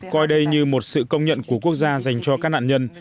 coi đây như một sự công nhận của quốc gia dành cho các nạn nhân